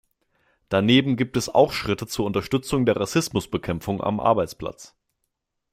Daneben gibt es auch Schritte zur Unterstützung der Rassismusbekämpfung am Arbeitsplatz.